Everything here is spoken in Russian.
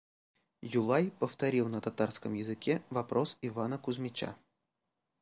Юлай повторил на татарском языке вопрос Ивана Кузмича.